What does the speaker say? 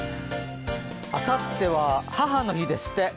あさっては母の日ですって。